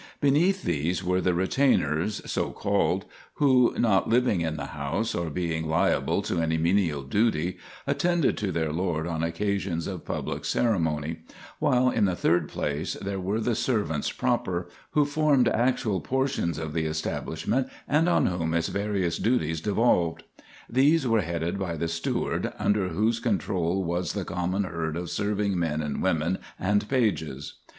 Beneath these were the retainers, so called, who, not living in the house or being liable to any menial duty, attended their lord on occasions of public ceremony; while, in the third place, there were the servants proper, who formed actual portions of the establishment, and on whom its various duties devolved. These were headed by the steward, under whose control was the common herd of serving men and women and pages.